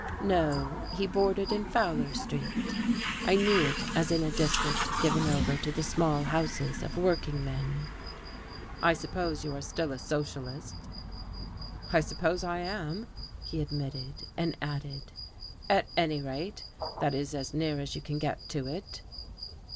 No, he boarded in Fowler Street. I knew it as in a district given over to the small houses of working men. "I suppose you are still a socialist." "I suppose I am," he admitted, and added, "at any rate, that is as near as you can get to it."